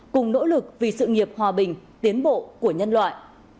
cùng nỗ lực vì sự nghiệp hòa bình tiến bộ của nhân loại